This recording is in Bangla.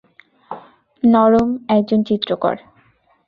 নরম, একজন চিত্রকর।